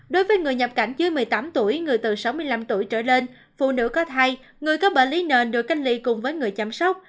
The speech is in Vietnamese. đối với người nhập cảnh dưới một mươi tám tuổi người từ sáu mươi năm tuổi trở lên phụ nữ có thai người có bệnh lý nền được cách ly cùng với người chăm sóc